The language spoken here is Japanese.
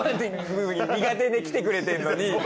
苦手で来てくれてるのに。